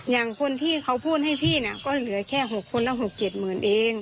อย่างคนที่เขาพูดให้พี่น่ะก็เหลือแค่๖คนแล้ว๖เกียรติหมื่นเอง